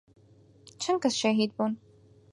چەند کەس شەهید بوون